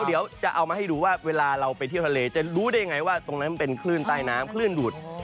เดี๋ยวจะเอามาให้ดูว่าเวลาเราไปเที่ยวทะเลจะรู้ได้ไงว่าตรงนั้นมันเป็นคลื่นใต้น้ำคลื่นดูด